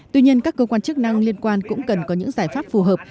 tuy nhiên các cơ quan chức năng liên quan cũng cần có những giải pháp phù hợp